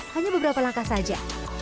hanya beberapa langkah saja